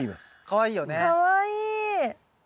かわいい！